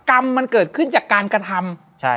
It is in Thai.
กรรมมันเกิดขึ้นจากการกระทำ